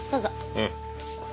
うん。